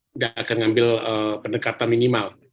tidak akan mengambil pendekatan minimal